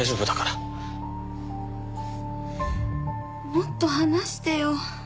もっと話してよ。